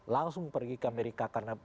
langsung pergi ke amerika karena